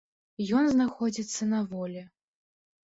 Ён знаходзіцца на волі.